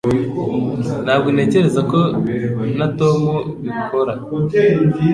Ntabwo ntekereza ko na Tom bikora